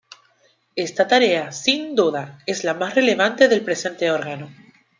Esta tarea, sin duda, es la más relevante del presente órgano.